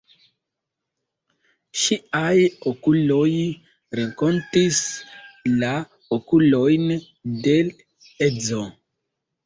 Ŝiaj okuloj renkontis la okulojn de l' edzo.